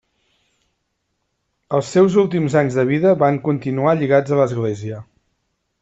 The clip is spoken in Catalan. Els seus últims anys de vida van continuar lligats a l’església.